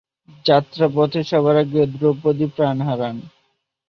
যাত্রাপথে সবার আগে দ্রৌপদী প্রাণ হারান।